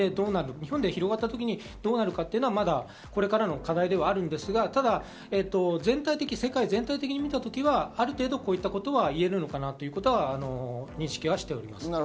日本で広がったときにどうなるかというのはまだこれからの課題ですが、世界全体的に見たときは、ある程度こういったことは言えるのかなということは認識しております。